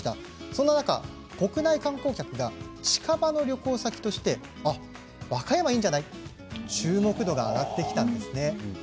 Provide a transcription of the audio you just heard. そんな中、国内観光客が近場の旅行先として和歌山いいんじゃないと注目度が上がってきたんですね。